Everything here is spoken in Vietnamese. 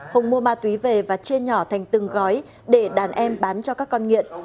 hùng mua ma túy về và chia nhỏ thành từng gói để đàn em bán cho các con nghiện